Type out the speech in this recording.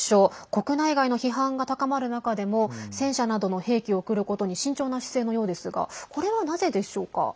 国内外の批判が高まる中でも戦車などの兵器を送ることに慎重な姿勢のようですがこれはなぜでしょうか。